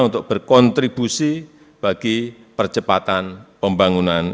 untuk berkontribusi bagi percepatan pembangunan